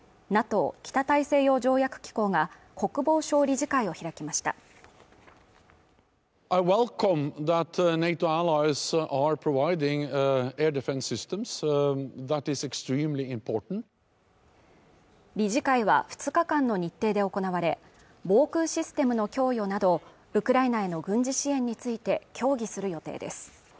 ＮＡＴＯ＝北大西洋条約機構が国防相理事会を開きました理事会は２日間の日程で行われ防空システムの供与などウクライナへの軍事支援について協議する予定です